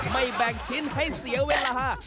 ไม่แบ่งชิ้นให้เสียเวลาฮ่า